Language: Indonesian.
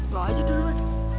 lo aja duluan